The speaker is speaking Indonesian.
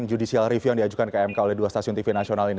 judicial review yang diajukan ke mk oleh dua stasiun tv nasional ini